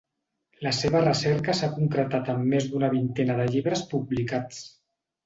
La seva recerca s’ha concretat en més d’una vintena de llibres publicats.